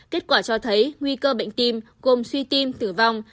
kết quả cho thấy nguy cơ bệnh tim gồm suy tim tử vong